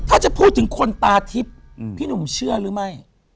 ถ้าจะพูดถึงคนตาทิพย์พี่หนุ่มเชื่อหรือไม่